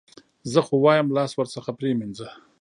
زه خو وایم لاس ورڅخه پرې مینځه.